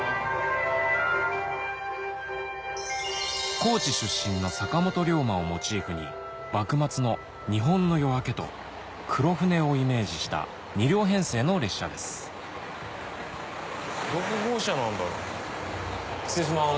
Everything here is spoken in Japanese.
高知出身の坂本龍馬をモチーフに幕末の日本の夜明けと黒船をイメージした２両編成の列車です失礼します。